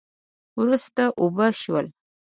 وروسته اوبه شول